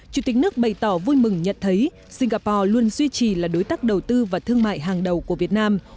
chủ tịch nước bày tỏ vui mừng nhận thấy singapore luôn duy trì là đối tác đầu tư và thương mại hàng đầu của việt nam